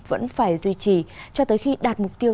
vẫn phải duy trì cho tới khi đạt mục tiêu